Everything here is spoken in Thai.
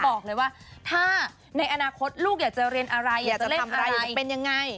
บอกเลยว่าถ้าในอนาคตลูกอยากจะเรียนอะไรอยากจะเล่นอะไรเป็นยังไง